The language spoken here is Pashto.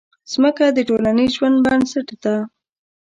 مځکه د ټولنیز ژوند بنسټ ده.